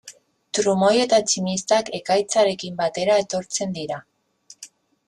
Trumoi eta tximistak ekaitzarekin batera etortzen dira.